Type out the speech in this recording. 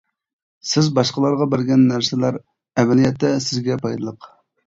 سىز باشقىلارغا بەرگەن نەرسىلەر ئەمەلىيەتتە سىزگە پايدىلىق.